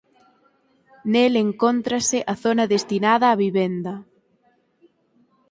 Nel encóntrase a zona destinada a vivenda.